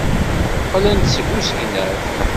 Qqlen-d seg usegnaf.